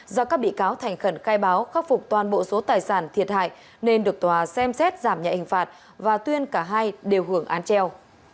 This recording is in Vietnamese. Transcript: do các bị cáo thành khẩn khai báo khắc phục toàn bộ số tài sản thiệt hại nên được tòa xem xét giảm nhạy hình phạt và tuyên cả hai đều hưởng án treo